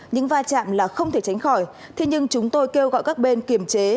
những vai trạm là không thể tránh khỏi thế nhưng chúng tôi kêu gọi các bên kiểm chế